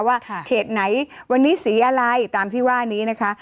ว่าเขตไหนวันนี้สีอะไรตามที่ว่านี้นะคะ